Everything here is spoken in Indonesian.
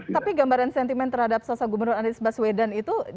tapi gambaran sentimen terhadap sosok gubernur anies baswedan itu